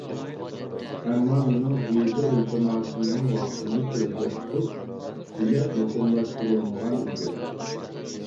ئەمما مىنىڭ ۋىزا ئىلتىماسىمنىڭ ۋاقتىنى كۆزدە تۇتۇپ، بېلەت مۇقىملاشتۇرۇلمىغان ئىدى.